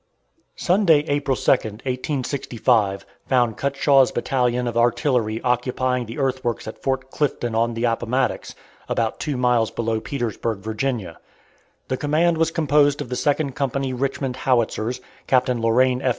Sunday, April 2, 1865, found Cutshaw's battalion of artillery occupying the earthworks at Fort Clifton on the Appomattox, about two miles below Petersburg, Virginia. The command was composed of the Second Company Richmond Howitzers, Captain Lorraine F.